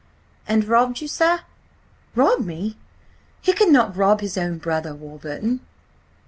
"And robbed you, sir?" "Rob me? He could not rob his own brother Warburton!"